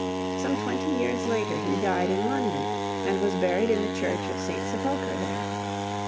Some twenty years later he died in London, and was buried in the church of St. Sepulchre there.